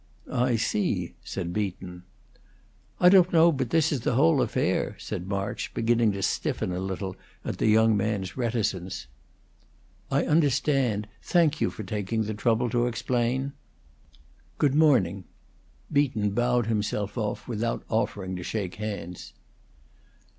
"I see," said Beaton. "I don't know but this is the whole affair," said March, beginning to stiffen a little at the young man's reticence. "I understand. Thank you for taking the trouble to explain. Good morning." Beaton bowed himself off, without offering to shake hands.